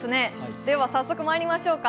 では早速まいりましょうか。